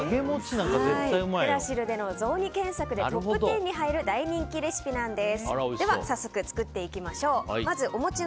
クラシルでの雑煮検索でトップ１０に入る大人気レシピなんです。